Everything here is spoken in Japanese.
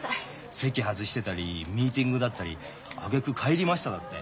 席外してたりミーティングだったりあげく帰りましただって。